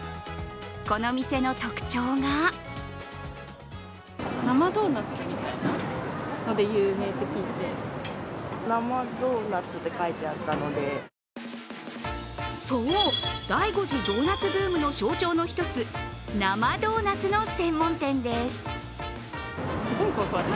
この店の特徴がそう、第５次ドーナツブームの象徴の一つ、生ドーナツの専門店です。